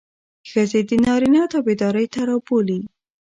ښځې د نارينه تابعدارۍ ته رابولي.